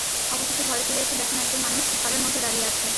অবশেষে ঘরে ফিরে এসে দেখেন একজন মানুষ ঘরের মধ্যে দাঁড়িয়ে আছে।